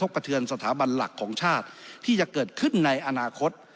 กระเทือนสถาบันหลักของชาติที่จะเกิดขึ้นในอนาคต